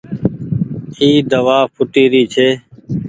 اي دوآ ڦوٽي ري ڇي۔